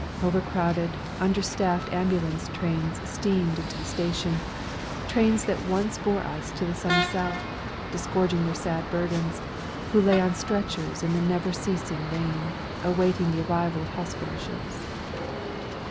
Overcrowded, understaffed ambulance trains steamed into the station trains that once bore us to the Sunny South disgorging their sad burdens, who lay on stretchers in the never ceasing rain, awaiting the arrival of hospital ships.